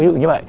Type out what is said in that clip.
ví dụ như vậy